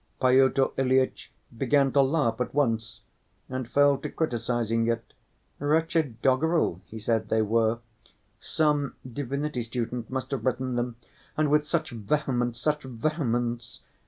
Pyotr Ilyitch began to laugh at once, and fell to criticizing it. 'Wretched doggerel,' he said they were, 'some divinity student must have written them,' and with such vehemence, such vehemence!